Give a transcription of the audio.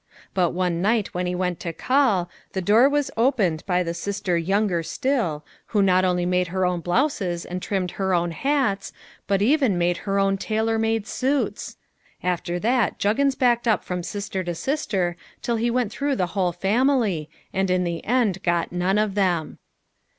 But one night when he went to call, the door was opened by the sister younger still, who not only made her own blouses and trimmed her own hats, but even made her own tailor made suits. After that Juggins backed up from sister to sister till he went through the whole family, and in the end got none of them.